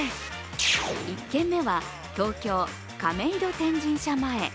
１軒目は、東京・亀戸天神社前。